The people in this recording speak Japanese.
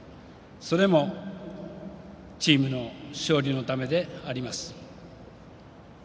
それもチームの勝利のためであります。